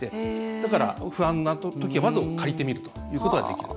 だから、不安なときはまず借りてみるということができると。